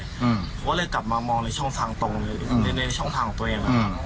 ผมก็กลับมามองในช่องทางตรงในช่องทางของตัวเอง